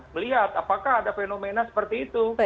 melihat apakah ada fenomena seperti itu